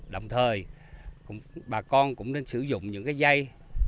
đồng thời bà con cũng nên sử dụng những cái dây